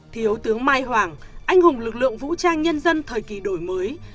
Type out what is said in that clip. thiếu tướng mai hoàng anh hùng lực lượng vũ trang nhân dân thời kỳ đổi mới